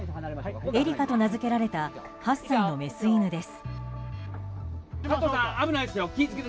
エリカと名付けられた８歳のメス犬です。